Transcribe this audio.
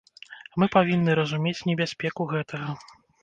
Мы павінны разумець небяспеку гэтага.